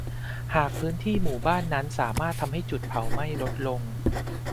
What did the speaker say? หากพื้นที่หมู่บ้านนั้นสามารถทำให้จุดเผาไหม้ลดลง